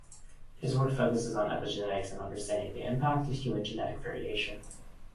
His work focuses on epigenetics and understanding the impact of human genetic variation.